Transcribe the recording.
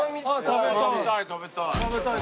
食べたい食べたい。